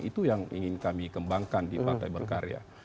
itu yang ingin kami kembangkan di partai berkarya